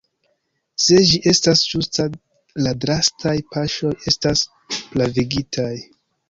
Se ĝi estas ĝusta la drastaj paŝoj estas pravigitaj.